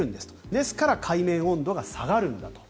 ですから海面温度が下がるんだと。